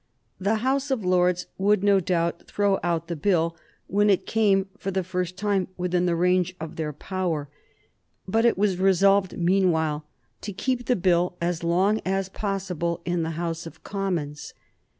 The House of Lords would, no doubt, throw out the Bill when it came for the first time within the range of their power; but it was resolved, meanwhile, to keep the Bill as long as possible in the House of Commons.